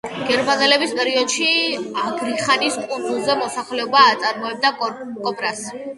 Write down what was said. გერმანელების პერიოდში აგრიხანის კუნძულზე მოსახლეობა აწარმოებდა კოპრას.